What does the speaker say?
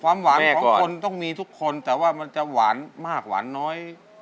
ความหวานของคนต้องมีทุกคนแต่ว่ามันจะหวานมากหวานน้อย